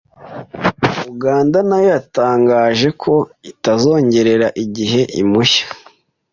Uganda na yo yatangaje ko itazongerera igihe impushya